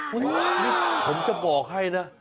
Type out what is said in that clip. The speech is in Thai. ว๊าวผมจะบอกให้นะ